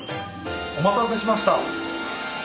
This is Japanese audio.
お待たせしました！